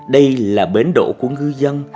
đây là bến đỗ của ngư dân